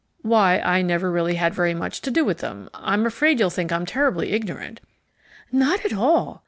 "Why, I never really had very much to do with them. I'm afraid you'll think I'm terribly ignorant " "Not at all.